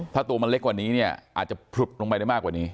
ถ้าตัวมันเล็กกว่านี้เนี่ยอาจจะผลุบลงไปได้มากกว่านี้